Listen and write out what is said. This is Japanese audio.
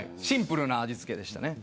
シンプルな味付けでした。